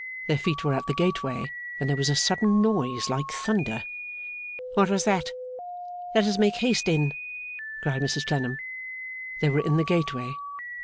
Their feet were at the gateway, when there was a sudden noise like thunder. 'What was that! Let us make haste in,' cried Mrs Clennam. They were in the gateway.